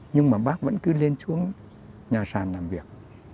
nhưng mà bác vẫn cứ lên xuống nhà sàn làm việc